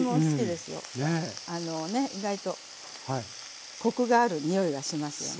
あのね意外とコクがあるにおいがしますよね。